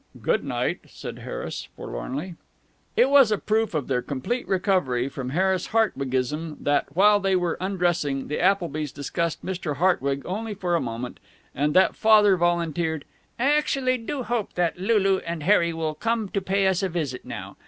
"Good night," said Harris, forlornly. It was a proof of their complete recovery from Harris Hartwigism that, while they were undressing, the Applebys discussed Mr. Hartwig only for a moment, and that Father volunteered: "I actually do hope that Lulu and Harry will come to pay us a visit now.